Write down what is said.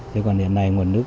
thế còn hiện nay nguồn nước